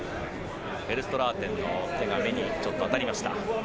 フェルストラーテンの手が目に当たりました。